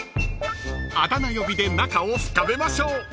［あだ名呼びで仲を深めましょう］